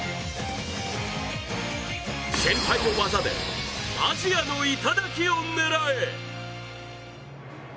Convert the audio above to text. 先輩の技でアジアの頂を狙え！